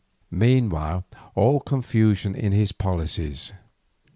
Meanwhile all was confusion in his policies.